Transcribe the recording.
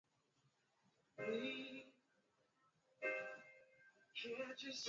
Balimuzalaka siku ya starehe